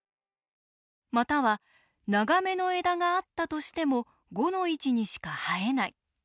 または「長めの枝があったとしても５の位置にしか生えない」。